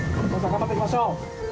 頑張っていきましょう。